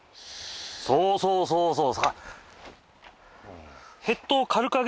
そうそうそうそう。